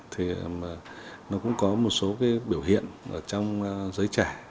thì nó cũng có một số cái biểu hiện ở trong giới trẻ